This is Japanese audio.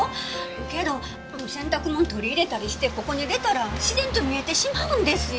けど洗濯物取り入れたりしてここに出たら自然と見えてしまうんですよ。